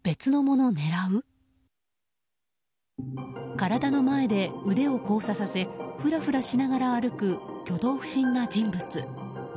体の前で腕を交差させふらふらしながら歩く挙動不審な人物。